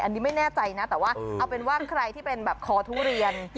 อันนี้ไม่แน่ใจนะแต่ว่าเอาเป็นว่าใครที่เป็นแบบคอทุเรียน